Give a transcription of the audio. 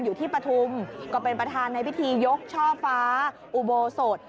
อยู่ที่ปทุมก็เป็นประธานในพิธียกช่อฟ้าอุโบโสด